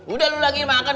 udah lu lagi makan